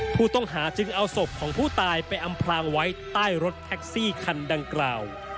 ผู้ต้องหาจึงเอาศพของผู้ตายไปอำพลางไว้ใต้รถแท็กซี่คันดังกล่าว